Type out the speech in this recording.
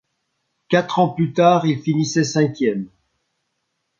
Quatre ans plus tard, il finissait cinquième.